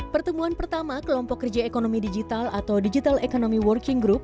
pertemuan pertama kelompok kerja ekonomi digital atau digital economy working group